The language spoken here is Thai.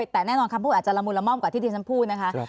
แต่แน่นอนคำพูดอาจจะละมุนละม่อมกว่าที่ที่ฉันพูดนะคะ